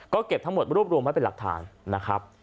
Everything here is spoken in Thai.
ก็เก็บทั้งหมดรวบรวมไว้เป็นหลักฐานนะครับ